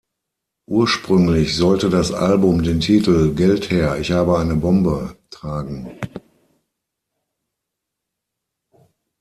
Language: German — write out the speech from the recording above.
Ursprünglich sollte das Album den Titel "Geld her, ich habe eine Bombe" tragen.